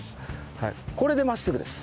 これで真っすぐです。